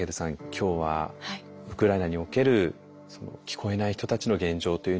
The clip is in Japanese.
今日はウクライナにおける聞こえない人たちの現状というのを見てきました。